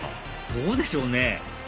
どうでしょうね